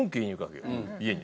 家に。